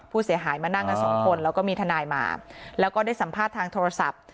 ผู้เสียหายมานั่งกันสองคนแล้วก็มีทนายมาแล้วก็ได้สัมภาษณ์ทางโทรศัพท์